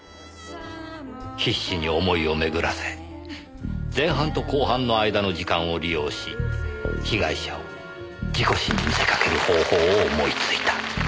必死に思いを巡らせ前半と後半の間の時間を利用し被害者を事故死に見せかける方法を思いついた。